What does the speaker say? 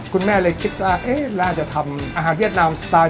คุณแม่เลยคิดว่าน่าจะทำอาหารเวียดนามสไตล์